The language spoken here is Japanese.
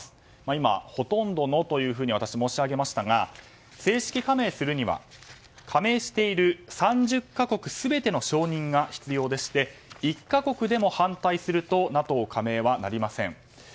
今、ほとんどのというふうに私、申し上げましたが正式加盟するには加盟している３０か国全ての承認が必要でして１か国でも反対するとＮＡＴＯ加盟はなりません。